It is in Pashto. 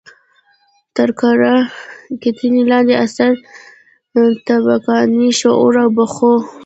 تر کره کتنې لاندې اثر: طبقاتي شعور او پښتو